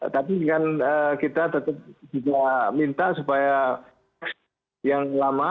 tapi kita tetap minta supaya yang lama